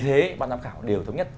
thì các bạn giám khảo đều thống nhất